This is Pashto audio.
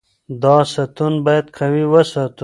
دا ستون باید قوي وساتو.